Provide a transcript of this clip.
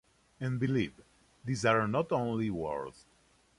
And believe, these are not only words.